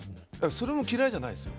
それも嫌いじゃないですよ。